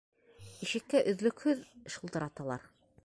Ишеккә өҙлөкһөҙ шылтыраталар.